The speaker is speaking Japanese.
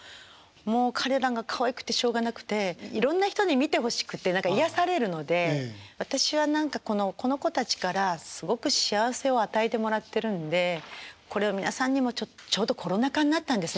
もう彼らがかわいくてしょうがなくていろんな人に見てほしくて癒やされるので私は何かこの子たちからすごく幸せを与えてもらってるんでこれを皆さんにもちょうどコロナ禍になったんですね